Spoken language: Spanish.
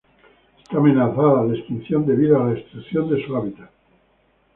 Está amenazada de extinción debido a la destrucción de su hábitat.